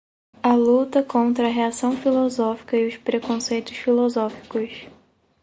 a luta contra a reacção filosófica e os preconceitos filosóficos